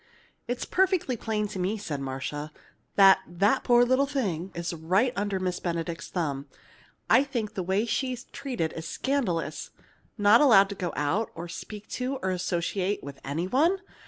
"It's perfectly plain to me," said Marcia, "that that poor little thing is right under Miss Benedict's thumb. I think the way she's treated is scandalous not allowed to go out, or speak to, or associate with, any one!